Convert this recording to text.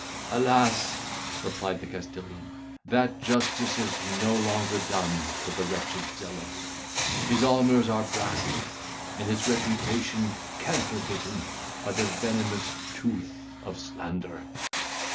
"Alas!" replied the Castilian, "that justice is no longer done to the wretched Zelos; his honours are blasted, and his reputation canker bitten by the venomous tooth of slander."